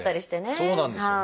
そうなんですよね。